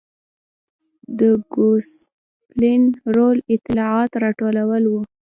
د ګوسپلین رول اطلاعات راټولول و.